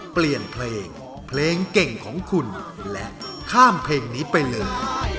เปลี่ยนเพลงเพลงเก่งของคุณและข้ามเพลงนี้ไปเลย